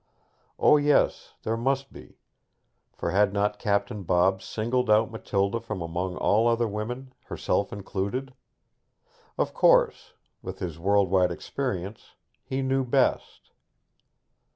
O yes, there must be; for had not Captain Bob singled out Matilda from among all other women, herself included? Of course, with his world wide experience, he knew best.